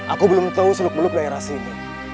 aku belum tahu seluk beluk daerah sini